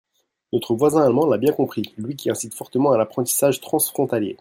Notre voisin allemand l’a bien compris, lui qui incite fortement à l’apprentissage transfrontalier.